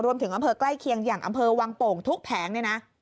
รวมถึงอำเภอกล้ายเคียงอย่างอำเภอวังโป่งทุกแผงนี่นะ